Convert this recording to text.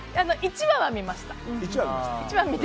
１話は見ました。